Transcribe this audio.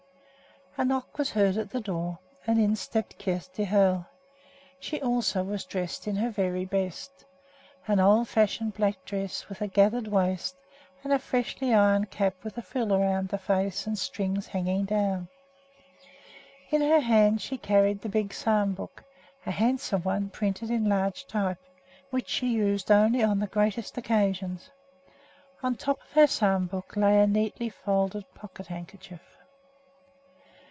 A knock was heard at the door, and in stepped Kjersti Hoel. She also was dressed in her very best, an old fashioned black dress with a gathered waist, and a freshly ironed cap with a frill around the face and strings hanging down. In her hand she carried the big psalm book, a handsome one printed in large type, which she used only on the greatest occasions. On top of the psalm book lay a neatly folded pocket handkerchief.